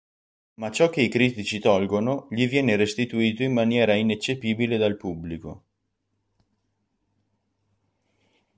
Ma ciò che i critici tolgono, gli viene restituito in maniera ineccepibile dal pubblico.